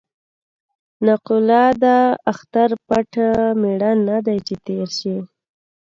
نقوله ده: اختر پټ مېړه نه دی چې تېر شي.